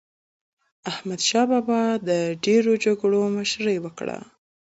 احمدشاه بابا د ډېرو جګړو مشري وکړه.